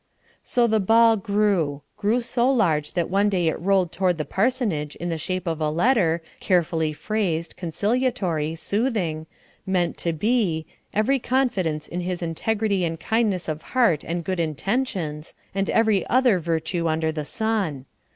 So the ball grew grew so large that one day it rolled toward the parsonage in the shape of a letter, carefully phrased, conciliatory, soothing meant to be; "every confidence in his integrity and kindness of heart and good intentions," and every other virtue under the sun.